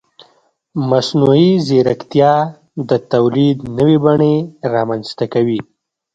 مصنوعي ځیرکتیا د تولید نوې بڼې رامنځته کوي.